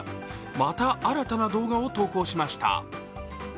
また新たな動画を投稿しました。